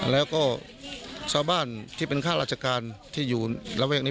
แล้วก็ชาวบ้านที่เป็นข้าราชการที่อยู่ระแวกนี้